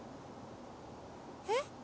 えっ？